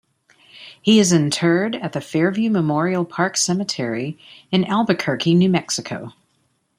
He is interred at the Fairview Memorial Park Cemetery in Albuquerque, New Mexico.